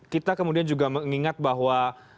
kita kemudian juga mengingat bahwa